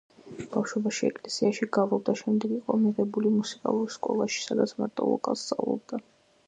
ბავშვობაში ეკლესიაში გალობდა, შემდეგ იყო მიღებული მუსიკალურ სკოლაში, სადაც მარტო ვოკალს სწავლობდა.